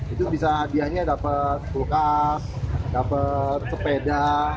itu bisa hadiahnya dapat kulkas dapat sepeda